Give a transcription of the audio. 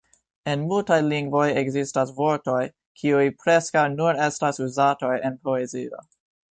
En multaj lingvoj ekzistas vortoj, kiuj preskaŭ nur estas uzataj en poezio.